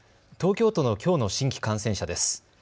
東京都のきょうの新規感染者です。